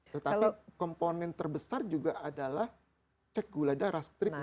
tetapi komponen terbesar juga adalah cek gula darah strik